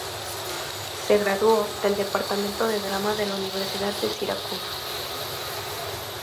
Se graduó del departamento de drama de la Universidad de Siracusa.